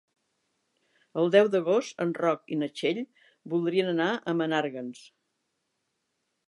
El deu d'agost en Roc i na Txell voldrien anar a Menàrguens.